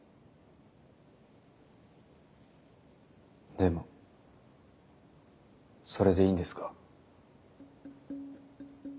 でもそれでいいんですか？